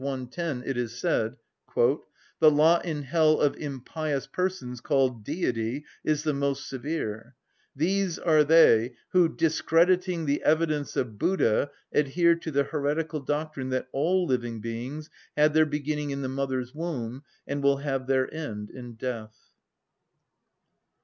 110, it is said: "The lot in hell of impious persons called Deitty is the most severe: these are they who, discrediting the evidence of Buddha, adhere to the heretical doctrine that all living beings had their beginning in the mother's womb, and will have their end in death."